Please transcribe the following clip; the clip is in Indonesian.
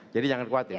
jadi jangan khawatir